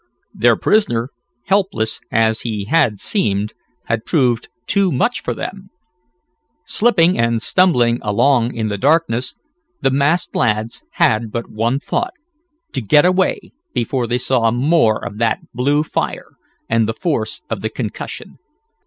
Their prisoner, helpless as he had seemed, had proved too much for them. Slipping and stumbling along in the darkness, the masked lads had but one thought to get away before they saw more of that blue fire, and the force of the concussion.